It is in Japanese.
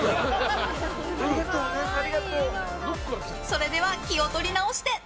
それでは気を取り直して。